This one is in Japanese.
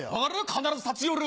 必ず立ち寄る。